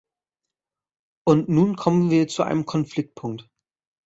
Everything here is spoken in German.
Und nun kommen wir zu einem Konfliktpunkt.